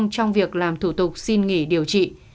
trong việc làm thủ tục xin nghỉ điều trị